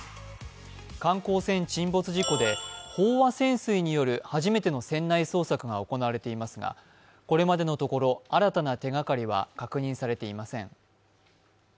観光船沈没事故で飽和潜水による初めての船内捜索が行われていますがこれまでのところ新たな手がかりは確認されていません。